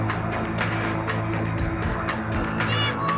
ibu ibu kenapa